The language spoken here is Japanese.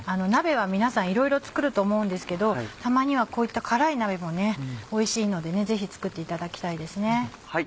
鍋は皆さんいろいろ作ると思うんですけどたまにはこういった辛い鍋もおいしいのでぜひ作っていただきたいです。